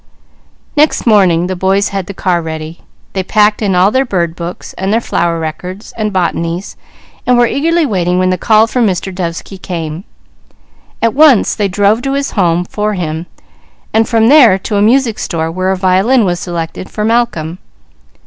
Next morning the boys had the car ready. They packed in all their bird books, their flower records, and botanies, and were eagerly waiting when the call from Mr. Dovesky came. At once they drove to his home for him, and from there to a music store where a violin was selected for Malcolm.